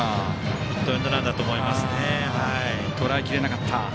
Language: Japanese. ヒットエンドランだと思いますね。